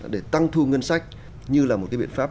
để tăng thu ngân sách như là một cái biện pháp